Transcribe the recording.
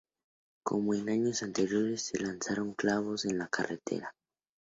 Como en años anteriores, se lanzaron clavos en la carretera.